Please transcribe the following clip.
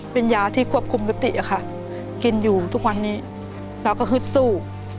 เป็นยาที่ควบคุมสติอะค่ะกินอยู่ทุกวันนี้เราก็ฮึดสู้